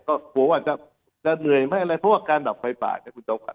ก็กลัวว่าจะจะเหนื่อยไหมอะไรเพราะว่าการดับไฟปากนะครับคุณเจ้าขวัญ